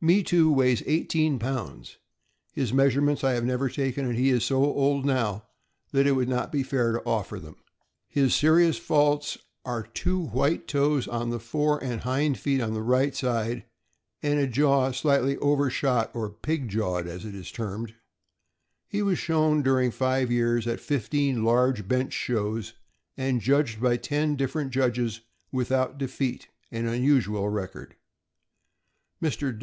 Me Too weighs eighteen pounds. His measurements I have never taken, and he is so old now that it would not be fair to offer them. His serious faults are two white toes on the fore and hind feet of the right side and a jaw slightly overshot, or "pig jawed," as it is termed. He was shown, during five years, at fifteen large bench shows and judged by ten different judges without defeat — an unusual record. Mr.